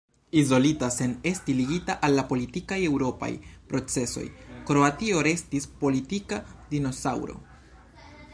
Izolita, sen esti ligita al la politikaj eŭropaj procesoj, Kroatio restis politika dinosaŭro.